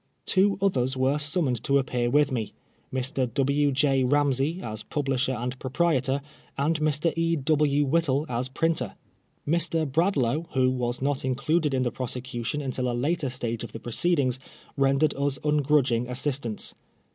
Two others were summoned to appear with me : Mr. W. J. Ramsey, as publisher and proprietor, and Mr. E. W. Whittle, as printer. Mr. Bradlaugh, who was not included in the prosecution until a later stage of the proceedings, rendered us ungrudging assistance.